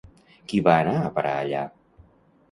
Qui va anar a parar allà?